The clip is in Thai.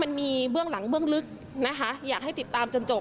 มันมีเบื้องหลังเบื้องลึกนะคะอยากให้ติดตามจนจบ